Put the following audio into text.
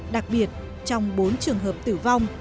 đặc biệt trong bốn trường hợp tử vong